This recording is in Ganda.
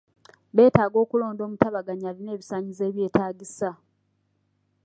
Beetaaga okulonda omutabaganya alina ebisaanyizo ebyetaagisa.